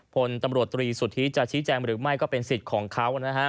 พลตำรวจตรีสุทธิจะชี้แจงหรือไม่ก็เป็นสิทธิ์ของเขานะฮะ